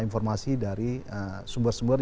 informasi dari sumber sumber